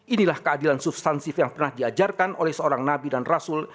inilah keadilan substansif yang pernah diajarkan oleh seorang nabi dan rasul